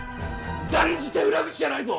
断じて裏口じゃないぞ！